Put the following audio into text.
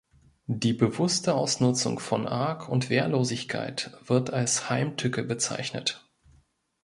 Die bewusste Ausnutzung von Arg- und Wehrlosigkeit wird als Heimtücke bezeichnet.